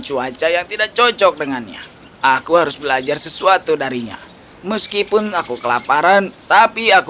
cuaca yang tidak cocok dengannya aku harus belajar sesuatu darinya meskipun aku kelaparan tapi aku